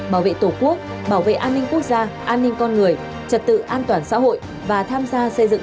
bảo vệ tổ quốc bảo vệ an ninh quốc gia an ninh con người trật tự an toàn xã hội và tham gia xây dựng